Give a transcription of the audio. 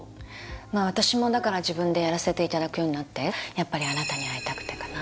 まあ私もだから自分でやらせていただくようになってやっぱり「あなたに逢いたくて」かな